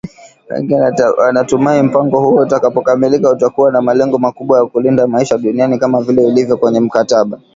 Wengi wanatumai mpango huo utakapokamilika, utakuwa na malengo makubwa ya kulinda maisha duniani kama vile ilivyo kwenye mkataba.